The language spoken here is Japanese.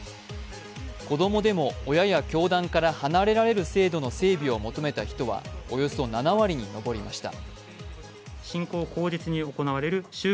子供でも親や教団から離れられる制度の整備を求めた人はおよそ７割に上りました。